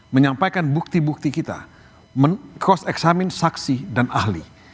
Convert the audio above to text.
menyampaikan bukti bukti kita men cross examine saksi dan ahli